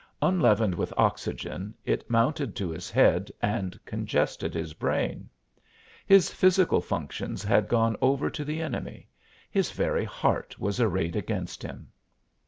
Unleavened with oxygen, it mounted to his head and congested his brain. His physical functions had gone over to the enemy; his very heart was arrayed against him.